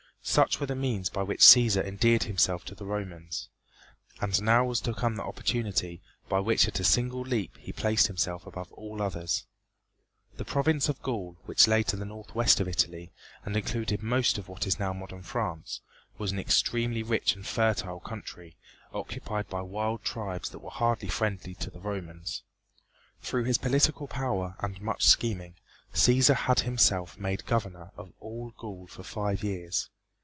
Such were the means by which Cæsar endeared himself to the Romans. And now was to come the opportunity by which at a single leap he placed himself above all others. The province of Gaul which lay to the northwest of Italy, and included most of what is now modern France, was an extremely rich and fertile country, occupied by wild tribes that were hardly friendly to the Romans. Through his political power, and much scheming, Cæsar had himself made governor of all Gaul for five years.